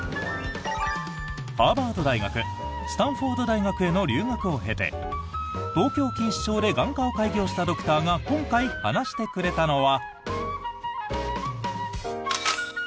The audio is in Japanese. ハーバード大学スタンフォード大学への留学を経て東京・錦糸町で眼科を開業したドクターが今回、話してくれたのは。